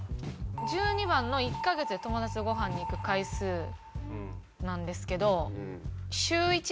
１２番の１カ月で友達とご飯に行く回数なんですけど。